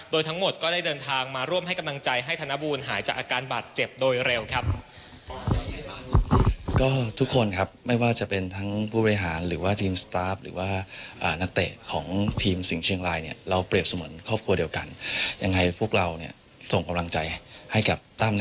โดยทั้งหมดก็ได้เดินทางมาร่วมให้กำลังใจให้ธนบูลหายจากอาการบาดเจ็บโดยเร็วครับ